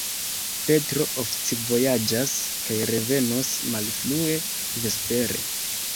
Petro oficvojaĝas kaj revenos malfrue vespere.